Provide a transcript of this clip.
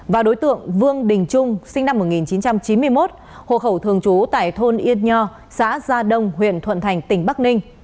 và đối tượng vương đình trung sinh năm một nghìn chín trăm chín mươi một hộ khẩu thường trú tại thôn yên nho xã gia đông huyện thuận thành tỉnh bắc ninh